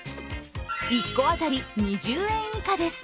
１戸当たり２０円以下です。